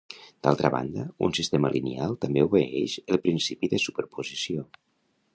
D'altra banda, un sistema lineal també obeeix el principi de superposició.